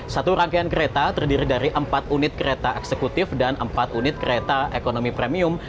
satu rangkaian kereta terdiri dari empat unit kereta eksekutif dan empat unit kereta ekonomi premium